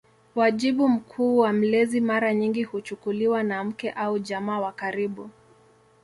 Wajibu mkuu wa mlezi mara nyingi kuchukuliwa na mke au jamaa wa karibu.